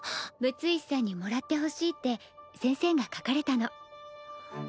六石さんにもらってほしいって先生が描かれたの。